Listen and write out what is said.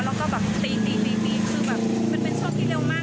แล้วก็ตีคือเป็นช่องที่เร็วมาก